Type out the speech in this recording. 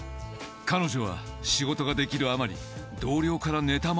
彼女は仕事ができるあまり同僚からねたまれる事も。